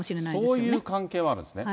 そういう関係もあるんですね。